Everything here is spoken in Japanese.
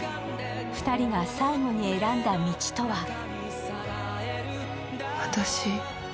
２人が最後に選んだ道とは。